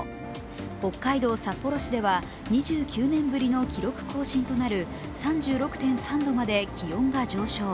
北海道札幌市では２９年ぶりの記録更新となる３６．３度まで気温が上昇。